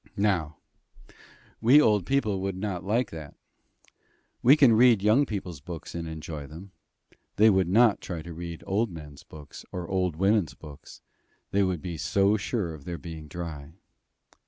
Now, we old people would not like that. We can read young people's books and enjoy them: they would not try to read old men's books or old women's books; they would be so sure of their being dry.